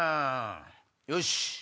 よし！